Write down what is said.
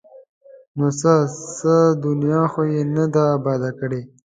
ـ نو څه؟ څه دنیا خو یې نه ده اباده کړې!